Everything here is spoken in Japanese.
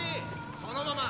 そのまま。